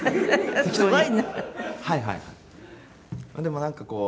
でもなんかこう。